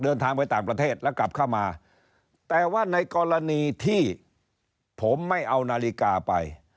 เดินทางไปต่างประเทศแล้วกลับเข้ามาแต่ว่าในกรณีที่ผมไม่เอานาฬิกาไป